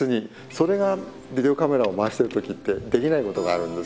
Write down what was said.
それがビデオカメラを回してる時ってできないことがあるんですけど